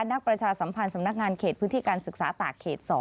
ประชาสัมพันธ์สำนักงานเขตพื้นที่การศึกษาตากเขต๒